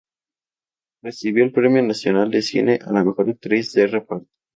Recibió el Premio Nacional de Cine a la mejor actriz de reparto.